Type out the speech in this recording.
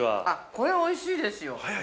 ◆これ、はおいしいですよ。